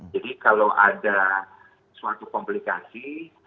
jadi kalau ada suatu komplikasi